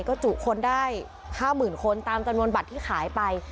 ก็จุคนได้๕๐๐๐คนตามจำนวนบัตรที่ขายไป